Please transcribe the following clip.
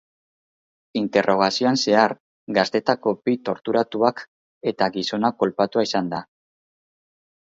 Interrogazioan zehar, gazteetako bi torturatuak eta gizona kolpatua izan da.